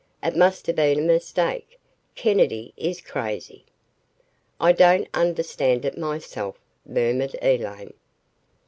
"It must have been a mistake. Kennedy is crazy." "I don't understand it, myself," murmured Elaine.